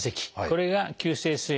これが急性すい